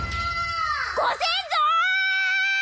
ご先祖！